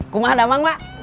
kumah damang wak